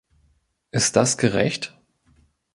Ist das gerecht?